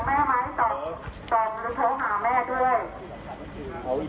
ให้ยินแม่มาดู